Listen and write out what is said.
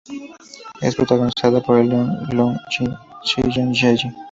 Es protagonizada por Lee Joon-gi y Seo Ye-ji.